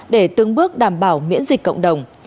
để từng bước đảm bảo miễn dịch cộng đồng